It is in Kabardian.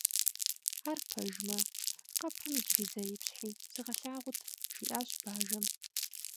- Ар пэжмэ, къэпым иджыри зэ ипщхьи, сыгъэлъагъут, - жиӏащ бажэм.